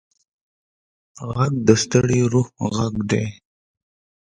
غږ د ستړي روح غږ دی